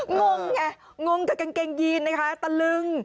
งงไงงงกับกางเกงยีนนะคะตะลึง